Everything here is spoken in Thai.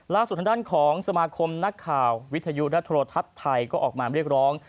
ล่าสุดทางด้านของสมาคมนักข่าววิทยุและโทรทัศน์ไทยก็ออกมาเรียกร้อง